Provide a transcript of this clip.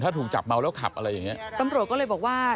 ถ้าถูกจับเมาแล้วขับอะไรอย่างเงี้ยตำรวจก็เลยบอกว่า